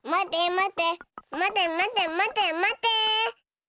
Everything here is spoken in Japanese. まてまてまてまて。